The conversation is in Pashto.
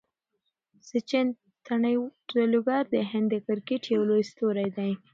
سچن ټندولکر د هند د کرکټ یو لوی ستوری دئ.